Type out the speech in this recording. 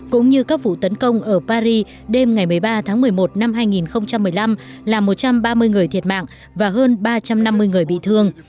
cũng như các vụ tấn công ở paris đêm ngày một mươi ba tháng một mươi một năm hai nghìn một mươi năm làm một trăm ba mươi người thiệt mạng và hơn ba trăm năm mươi người bị thương